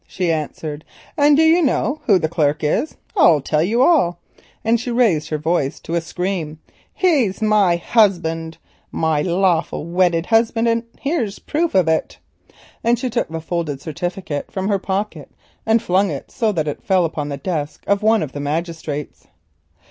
she answered, "and do you know who the clerk is? I'll tell you all," and she raised her voice to a scream; "he's my husband, my lawful wedded husband, and here's proof of it," and she took the folded certificate from her pocket and flung it so that it struck the desk of one of the magistrates.